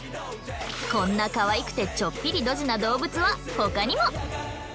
こんなかわいくてちょっぴりドジな動物は他にも。